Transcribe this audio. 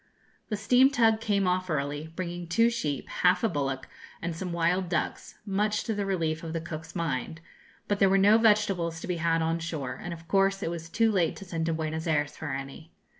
The steam tug came off early, bringing two sheep, half a bullock, and some wild ducks, much to the relief of the cook's mind; but there were no vegetables to be had on shore, and of course it was too late to send to Buenos Ayres for any.